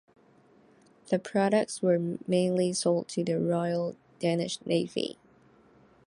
The products were mainly sold to the Royal Danish Navy.